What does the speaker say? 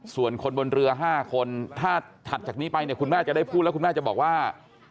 ส่วนคนบนเรือ๕คนถ้าถัดจากนี้ไปเนี่ยคุณแม่จะได้พูดแล้วคุณแม่จะบอกว่า